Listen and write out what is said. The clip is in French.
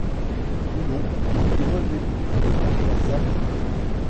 Toulon, il fut revêtu de la casaque rouge.